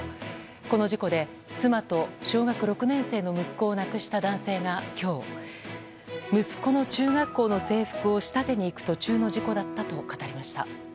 この事故で妻と小学６年生の息子を亡くした男性が今日今日、息子の中学校の制服を仕立てに行く途中の事故だったと語りました。